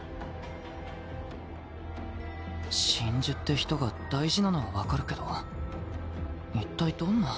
真珠って人が大事なのは分かるけど一体どんな。